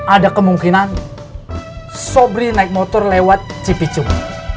ada kemungkinan sobri naik motor lewat cipicuk